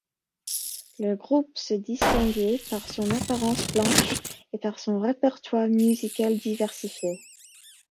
Le groupe se distinguait par son apparence blanche et par son répertoire musical diversifié.